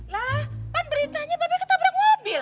lah pan beritanya bebe ketabrak mobil